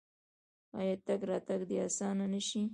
آیا تګ راتګ دې اسانه نشي؟